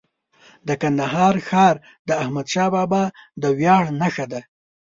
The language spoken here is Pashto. د کندهار ښار د احمدشاه بابا د ویاړ نښه ده.